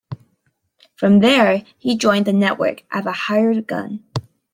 From there, he joined The Network as a "hired gun".